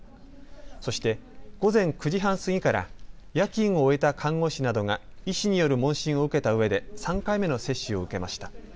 そして午前９時半過ぎから夜勤を終えた看護師などが医師による問診を受けたうえで３回目の接種を受けました。